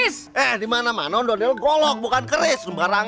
selamat datang bapak bupate di kangdang